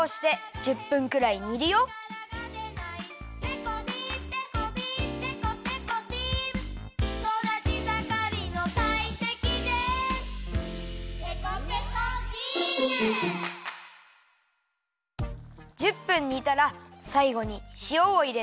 １０分にたらさいごにしおをいれてあじをととのえます！